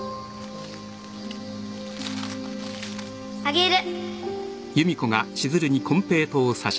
あげる